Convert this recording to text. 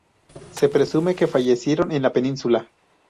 Se presume que fallecieron en la Península.